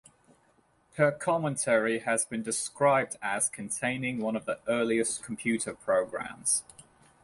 Her commentary has been described as containing "one of the earliest computer programmes".